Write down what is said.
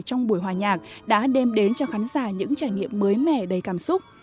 trong buổi hòa nhạc đã đem đến cho khán giả những trải nghiệm mới mẻ đầy cảm xúc